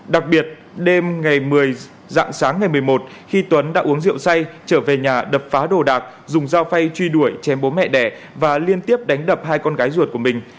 đặc biệt đêm ngày dạng sáng ngày một mươi một khi tuấn đã uống rượu say trở về nhà đập phá đồ đạc dùng dao phay truy đuổi chém bố mẹ đẻ và liên tiếp đánh đập hai con gái ruột của mình